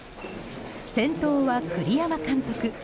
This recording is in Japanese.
先頭は栗山監督。